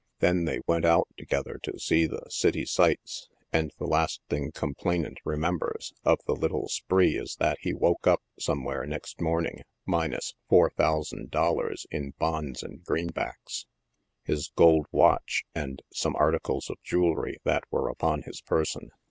Then they went out together to see the city sights, and the las j thing complainant remembers of the little spree is that he woke up somewhere next morning minus four thousand dollars in bonds and greenbacks, his gold watch, and some articles of jewelry that weie upon his person.